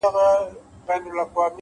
نیک عمل تر شهرت اوږد عمر لري,